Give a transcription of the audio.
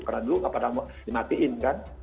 karena dulu tidak pernah dimatikan kan